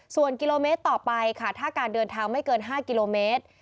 ส่วนกิโลเมตรต่อไปค่ะถ้าการเดินทางไม่เกิน๕กิโลเมตร